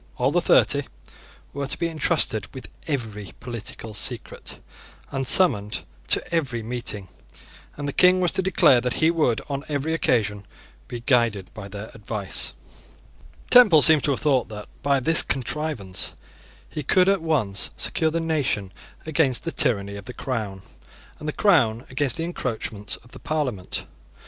All the thirty were to be entrusted with every political secret, and summoned to every meeting; and the King was to declare that he would, on every occasion, be guided by their advice. Temple seems to have thought that, by this contrivance, he could at once secure the nation against the tyranny of the Crown, and the Crown against the encroachments of the Parliament.